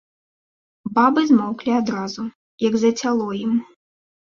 Бабы змоўклі адразу, як зацяло ім.